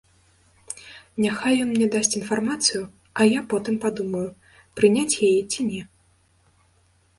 Няхай ён мне дасць інфармацыю, а я потым падумаю, прыняць яе ці не.